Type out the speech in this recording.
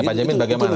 pak jamin bagaimana